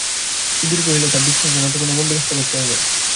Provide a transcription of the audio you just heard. সুধীর কহিল, তাঁর ডিফেন্সের জন্যে তো কোনো বন্দোবস্ত করতে হবে।